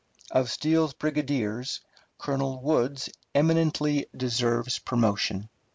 Of Steele's brigadiers, Colonel Woods eminently deserves promotion.